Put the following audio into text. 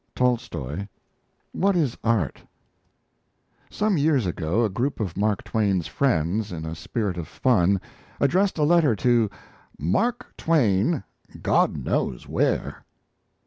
TOLSTOY: What is Art? Some years ago a group of Mark Twain's friends, in a spirit of fun, addressed a letter to: MARK TWAIN GOD KNOWS WHERE.